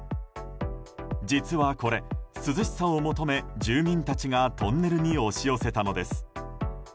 実はこれ、涼しさを求め住民たちがトンネルに押し寄せたのです。